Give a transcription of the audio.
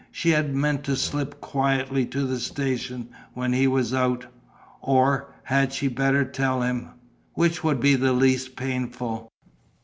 She had meant to slip quietly to the station, when he was out.... Or had she better tell him?... Which would be the least painful?...